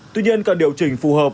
tuy nhiên cần điều chỉnh phù hợp